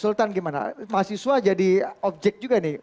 sultan gimana mahasiswa jadi objek juga nih